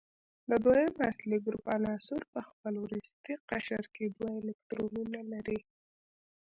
د دویم اصلي ګروپ عناصر په خپل وروستي قشر کې دوه الکترونونه لري.